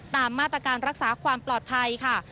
ตามมาตรการรักษาความปลอดภัยค่ะ